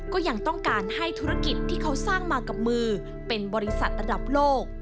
ก็ยังต้องการให้ธุรกิจที่เขาสร้างมากับมือเป็นบริษัทระดับโลก